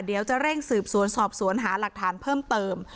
เดี๋ยวจะเร่งสืบสวนสอบสวนหาหลักฐานเพิ่มเติม